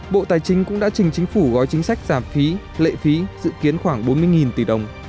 bộ tài chính cũng đã trình chính phủ gói chính sách giảm phí lệ phí dự kiến khoảng bốn mươi tỷ đồng